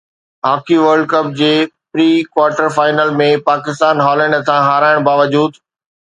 hockey world cup جي pre quarter final ۾ Pakistan Holland هٿان هارائڻ باوجود